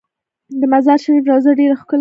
د مزار شریف روضه ډیره ښکلې ده